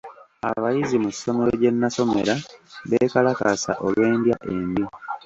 Abayizi mu ssomero gye nasomera beekalakaasa olw'endya embi.